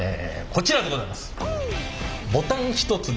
こちらでございます。